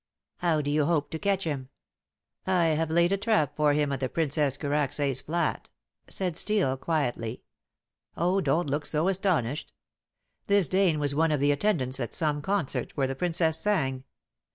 "How do you hope to catch him?" "I have laid a trap for him at the Princess Karacsay's flat," said Steel quietly. "Oh, don't look so astonished. This Dane was one of the attendants at some concert where the Princess sang.